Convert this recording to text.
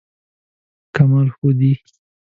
کمال ښودی.